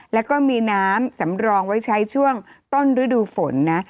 แล้วก็มีน้ำสำรองไว้ใช้ช่วงต้นฤดูฝนนะ